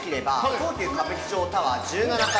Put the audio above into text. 東急歌舞伎町タワー１７階